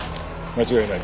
間違いない。